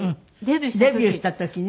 デビューした時ね。